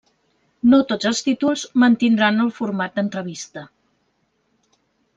No tots els títols mantindran el format d'entrevista.